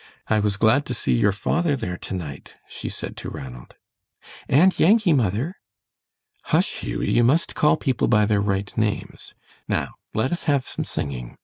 "I was glad to see your father there to night," she said to Ranald. "And Yankee, mother." "Hush, Hughie; you must call people by their right names. Now let us have some singing.